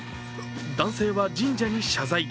男性は神社に謝罪。